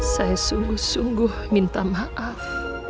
saya sungguh sungguh minta maaf